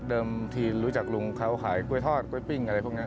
ทีรู้จักลุงเขาขายกล้วยทอดกล้วยปิ้งอะไรพวกนี้